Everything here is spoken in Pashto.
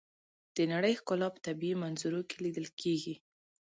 د نړۍ ښکلا په طبیعي منظرو کې لیدل کېږي.